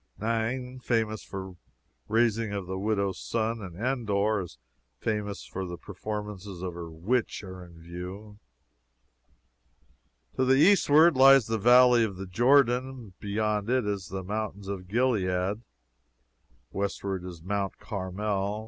Nain, famous for the raising of the widow's son, and Endor, as famous for the performances of her witch are in view. To the eastward lies the Valley of the Jordan and beyond it the mountains of Gilead. Westward is Mount Carmel.